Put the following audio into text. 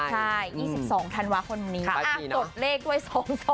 ใช่๒๒ธันวะคนนี้กดเลขไว้๒๒